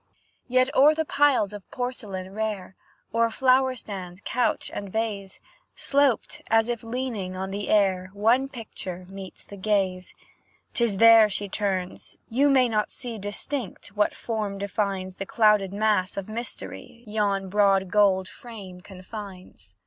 Yet, o'er the piles of porcelain rare, O'er flower stand, couch, and vase, Sloped, as if leaning on the air, One picture meets the gaze. 'Tis there she turns; you may not see Distinct, what form defines The clouded mass of mystery Yon broad gold frame confines.